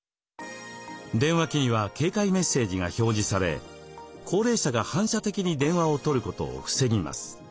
電話機には警戒メッセージが表示され高齢者が反射的に電話を取ることを防ぎます。